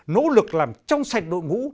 nỗ lực làm trong sạch đội ngũ